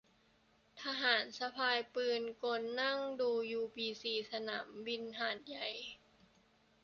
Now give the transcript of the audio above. ทหารสะพายปืนกลนั่งดูยูบีซี สนามบินหาดใหญ่